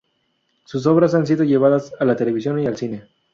Sus obras han sido llevadas a la televisión y al cine.